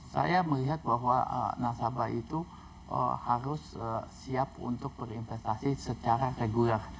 saya melihat bahwa nasabah itu harus siap untuk berinvestasi secara reguler